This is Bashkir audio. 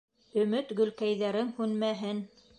Өмөт гөлкәйҙәрең һүнмәһен.